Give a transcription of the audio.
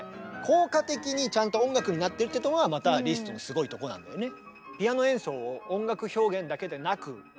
効果的にちゃんと音楽になってるっていうとこがまたリストのすごいとこなんだよね。